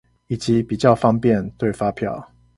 以及比較方便對發票